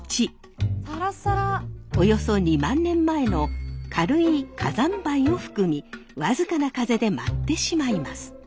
およそ２万年前の軽い火山灰を含み僅かな風で舞ってしまいます。